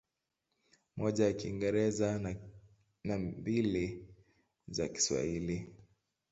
Moja ya Kiingereza na mbili za Kiswahili.